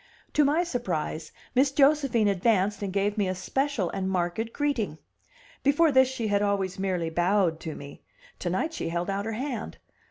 To my surprise, Miss Josephine advanced and gave me a special and marked greeting. Before this she had always merely bowed to me; to night she held out her hand.